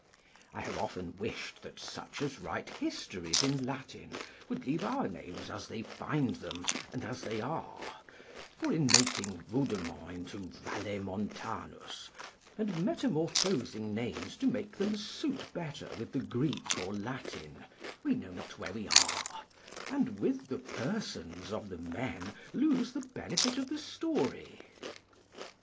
I have often wished that such as write histories in Latin would leave our names as they find them and as they are; for in making Vaudemont into Vallemontanus, and metamorphosing names to make them suit better with the Greek or Latin, we know not where we are, and with the persons of the men lose the benefit of the story.